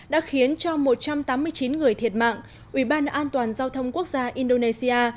đã khiến cho một trăm tám mươi chín người thiệt mạng ủy ban an toàn giao thông quốc gia indonesia